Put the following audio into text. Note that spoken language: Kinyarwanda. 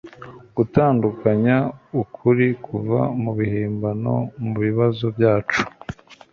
gutandukanya ukuri kuva mubihimbano mubibazo byacu